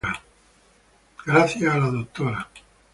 Gracias a la Dra.